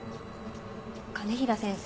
兼平先生